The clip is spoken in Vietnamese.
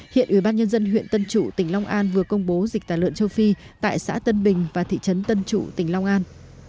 hiện ủy ban nhân dân huyện tân trụ tỉnh long an vừa công bố dịch đàn lợn châu phi tại xã tân bình và thị trấn tân trụ tỉnh long an